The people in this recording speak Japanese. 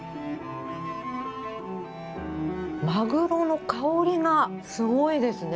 マグロの香りがすごいですね。